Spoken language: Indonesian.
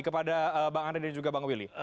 kepada pak andre dan juga pak willy